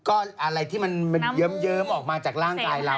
ก็อะไรที่มันเยิ้มออกมาจากร่างกายเรา